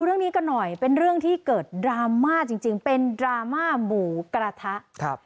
เรื่องนี้กันหน่อยเป็นเรื่องที่เกิดดราม่าจริงจริงเป็นดราม่าหมูกระทะครับ